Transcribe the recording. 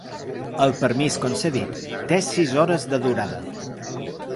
El permís concedit té sis hores de durada.